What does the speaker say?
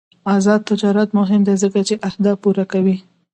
آزاد تجارت مهم دی ځکه چې اهداف پوره کوي.